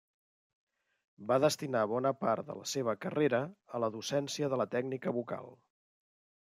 Va destinar bona part de la seva carrera a la docència de la tècnica vocal.